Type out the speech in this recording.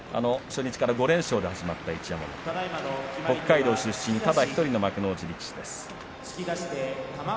初日から５連勝で始まった一山本、北海道出身ただ１人の幕内力士です。